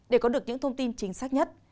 để có được những thông tin chính xác nhất